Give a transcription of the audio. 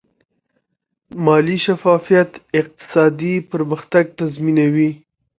مالي شفافیت اقتصادي پرمختګ تضمینوي.